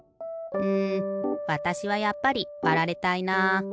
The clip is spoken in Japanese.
うんわたしはやっぱりわられたいな。